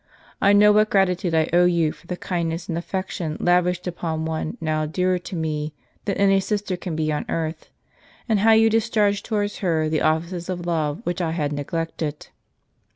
I know what gratitude I owe you for the kindness and aifection lavished upon one now dearer to me than any sister can be on earth, and how you discharged towards her the offices of love which I had neglected."